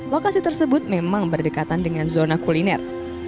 lokasi tersebut memang berdekatan dengan zona kuliner